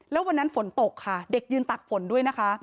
แล้ววันนั้นฝนตกเด็กยืนตักฝนด้วย